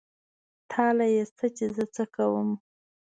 تا له يې څه چې زه څه کوم.